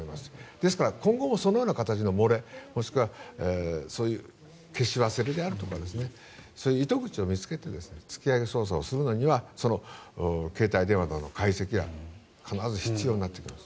ですから、今後もそのような形の漏れ消し忘れであるとかそういう糸口を見つけて突き上げ捜査をするのには携帯電話などの解析が必ず必要になってきます。